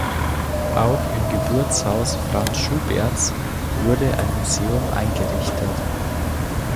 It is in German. Auch im Geburtshaus Franz Schuberts wurde ein Museum eingerichtet.